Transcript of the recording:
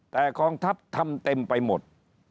แต่กองทัพทำเต็มไปหมด